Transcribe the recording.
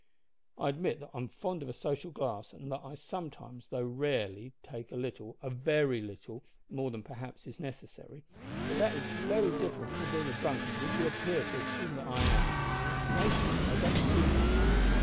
"I admit that I'm fond of a social glass, and that I sometimes, though rarely, take a little a very little more than, perhaps, is necessary. But that is very different from being a drunkard, which you appear to assume that I am." "Nay, Shank, I don't assume that.